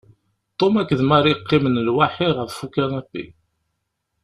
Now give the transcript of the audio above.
Tom akked Mary qqimen lwaḥid ɣef ukanapi.